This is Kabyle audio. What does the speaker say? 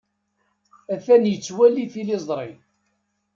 Atan yettwali tiliẓri.